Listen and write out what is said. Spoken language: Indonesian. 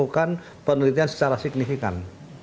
saya lakukan penelitian secara signifikan